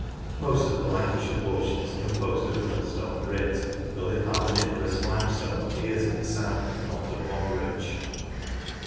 Most of the Lancashire portion is composed of Millstone Grit, though the Carboniferous Limestone appears in the south, north of Longridge.